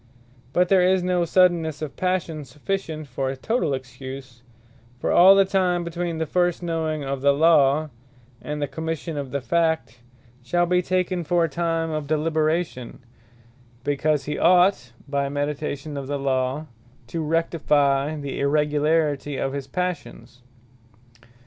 But there is no suddennesse of Passion sufficient for a totall Excuse: For all the time between the first knowing of the Law, and the Commission of the Fact, shall be taken for a time of deliberation; because he ought by meditation of the Law, to rectifie the irregularity of his Passions.